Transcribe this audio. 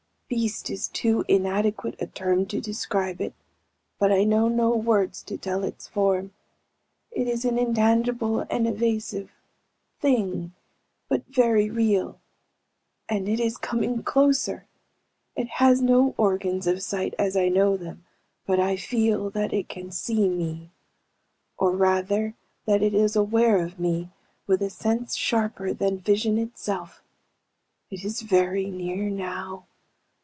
Beast is too inadequate a term to describe it, but I know no words to tell its form. It is an intangible and evasive thing but very real. And it is coming closer! It has no organs of sight as I know them, but I feel that it can see me. Or rather that it is aware of me with a sense sharper than vision itself. It is very near now.